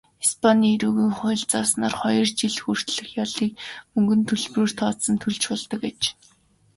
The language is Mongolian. Испанийн эрүүгийн хуульд зааснаар хоёр жил хүртэлх ялыг мөнгөн төлбөрөөр тооцон төлж болдог аж.